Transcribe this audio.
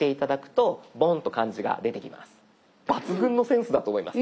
抜群のセンスだと思います。